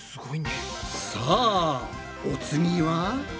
さあお次は？